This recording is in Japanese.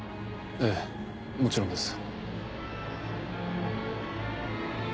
ええもちろんです。